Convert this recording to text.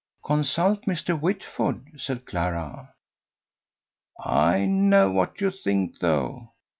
"Consult Mr. Whitford," said Clara. "I know what you think, though."